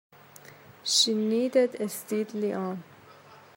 She knitted steadily on.